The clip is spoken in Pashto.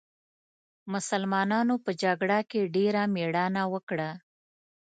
مسلمانانو په جګړه کې ډېره مېړانه وکړه.